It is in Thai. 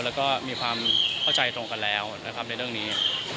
แล้วก็มีความเข้าใจตรงกันแล้วนะครับในเรื่องนี้